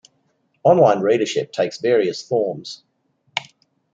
Online readership takes various forms.